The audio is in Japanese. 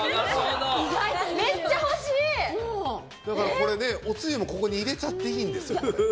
だからこれねおつゆもここに入れちゃっていいんです。